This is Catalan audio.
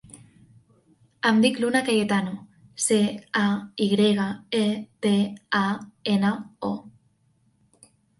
Em dic Luna Cayetano: ce, a, i grega, e, te, a, ena, o.